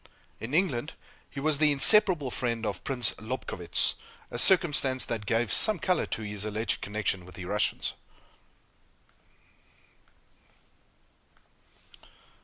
In England, he was the inseparable friend of Prince Lobkowitz a circumstance that gave some color to his alleged connection with the Russians.